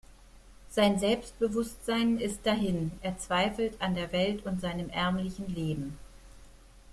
Sein Selbstbewusstsein ist dahin, er verzweifelt an der Welt und an seinem ärmlichen Leben.